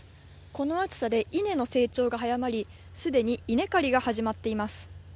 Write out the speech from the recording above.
この暑さで、稲の成長が早まり、すでに稲刈りが始まっています。